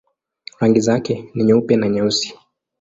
Rangi zake ni nyeupe na nyeusi.